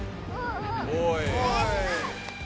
おい。